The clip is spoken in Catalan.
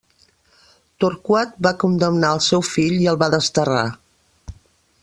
Torquat va condemnar al seu fill i el va desterrar.